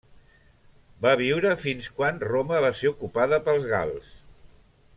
Va viure fins al quan Roma va ser ocupada pels gals.